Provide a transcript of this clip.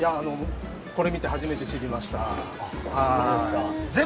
これを見て初めて知りました。